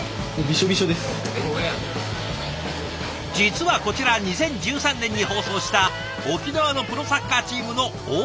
実はこちら２０１３年に放送した沖縄のプロサッカーチームの大盛りサラメシ。